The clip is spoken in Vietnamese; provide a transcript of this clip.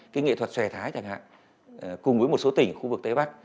cái nghệ thuật xòe thái thẳng hạng cùng với một số tỉnh khu vực tây bắc